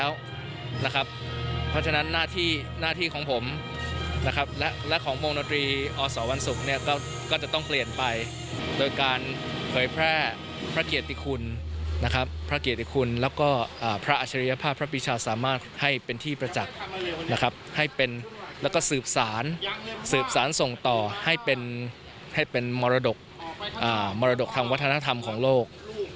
วงดนตรีอสววรรศุกร์ก็จะต้องเปลี่ยนไปโดยการเผยแพร่พระเกียรติคุณและพระอาชริยภาพพระพิชาสามารถให้เป็นที่ประจักรให้เป็นและสืบสานสงต่อให้เป็นมรดกธรรมวัฒนธรรมของโลก